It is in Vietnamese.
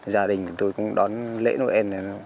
gia đình tôi cũng đón lễ noel